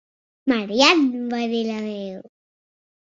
Mary Ann! va dir la veu.